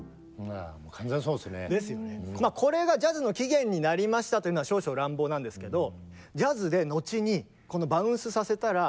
まあこれがジャズの起源になりましたというのは少々乱暴なんですけど。